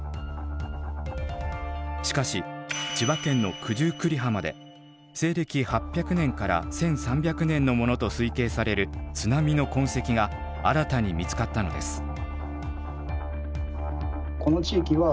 しかし千葉県の九十九里浜で西暦８００年から１３００年のものと推計される津波の痕跡が新たに見つかったのです。